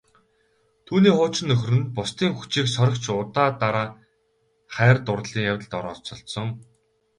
Түүний хуучин нөхөр нь бусдын хүчийг сорогч удаа дараа хайр дурлалын явдалд орооцолдсон.